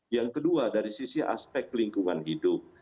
yang kedua dari sisi aspek lingkungan hidup